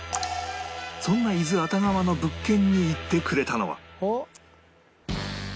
そんな伊豆熱川の物件に行ってくれたのは